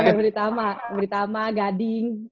iya sama buritama buritama gading